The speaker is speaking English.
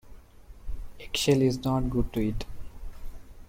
Eggshell is not good to eat.